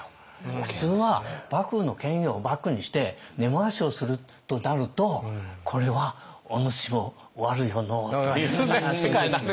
普通は幕府の権威をバックにして根回しをするとなるとこれは「おぬしも悪よのう」という世界になるんです。